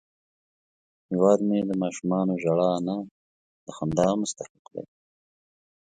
هیواد مې د ماشومانو ژړا نه، د خندا مستحق دی